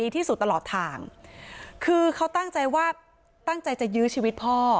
ที่สุดตลอดทางคือเขาตั้งใจว่าตั้งใจจะยื้อชีวิตพ่อ